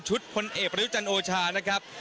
ชุดคนเอกประโยชน์โอชานะครับ